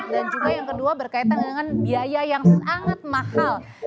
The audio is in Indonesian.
dan juga yang kedua berkaitan dengan biaya yang sangat mahal